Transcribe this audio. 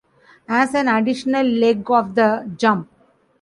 As an additional leg of the Jump!